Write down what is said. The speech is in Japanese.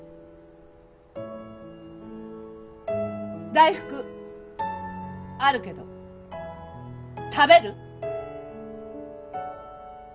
大福あるけど食べる！？